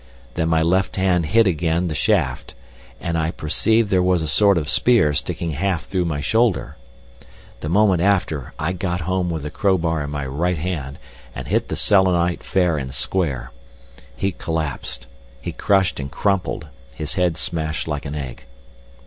Then my left hand hit against the shaft, and I perceived there was a sort of spear sticking half through my shoulder. The moment after I got home with the crowbar in my right hand, and hit the Selenite fair and square. He collapsed—he crushed and crumpled—his head smashed like an egg.